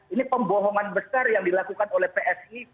ini pembohongan besar yang dilakukan oleh psi